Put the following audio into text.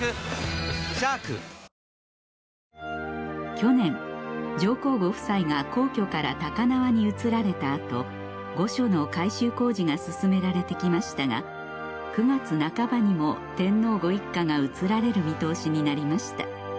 去年上皇ご夫妻が皇居から高輪に移られた後御所の改修工事が進められて来ましたが９月半ばにも天皇ご一家が移られる見通しになりました